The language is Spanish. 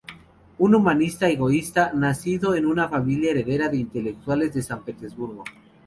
Un "humanista egoísta", nacido en una familia heredera de intelectuales de San Petersburgo.